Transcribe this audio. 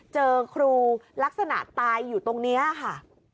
เจอครูลักษณะตายอยู่ตรงนี้ค่ะ